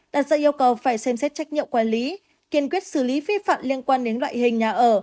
đặt ra yêu cầu phải xem xét trách nhiệm quản lý kiên quyết xử lý vi phạm liên quan đến loại hình nhà ở